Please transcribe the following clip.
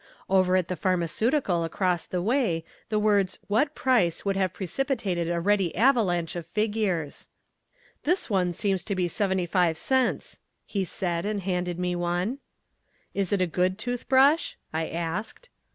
Over at the Pharmaceutical across the way the words "what price?" would have precipitated a ready avalanche of figures. "This one seems to be seventy five cents," he said and handed me one. "Is it a good tooth brush?" I asked.